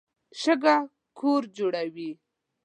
شګه کور جوړوي.